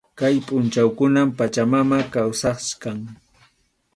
Kay pʼunchawkunam Pachamama kawsachkan.